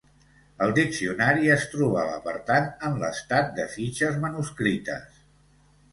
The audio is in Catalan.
El diccionari es trobava, per tant, en l'estat de fitxes manuscrites.